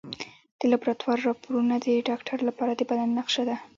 د لابراتوار راپورونه د ډاکټر لپاره د بدن نقشه ده.